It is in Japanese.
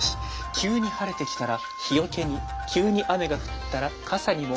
急に晴れてきたら日よけに急に雨が降ったら傘にも。